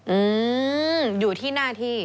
อืมอยู่ที่หน้าที่